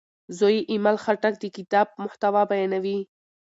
زوی یې ایمل خټک د کتاب محتوا بیانوي.